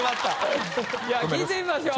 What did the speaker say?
じゃあ聞いてみましょう。